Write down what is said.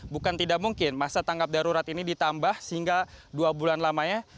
bukan tidak mungkin masa tanggap darurat ini ditambah sehingga dua bulan lamanya